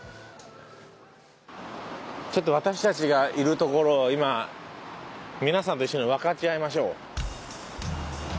ちょっと私たちがいるところは今皆さんと一緒に分かち合いましょう。